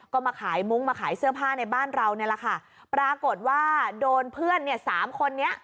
ก็มาขายมุ้งมาขายเสื้อผ้าในบ้านเราปรากฏว่าโดนเพื่อน๓คนนี้